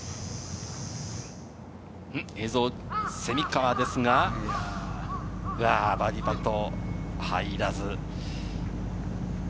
映像は蝉川ですが、バーディーパット、入らず。